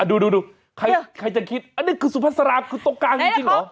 ดูใครจะคิดอันนี้คือสุภาษาราคือตรงกลางจริงเหรอ